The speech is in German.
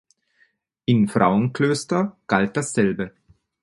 In Frauenklöster galt dasselbe.